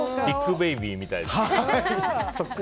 ビッグベイビーみたいな。